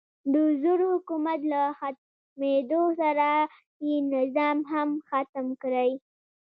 د زوړ حکومت له ختمېدو سره یې نظام هم ختم کړی.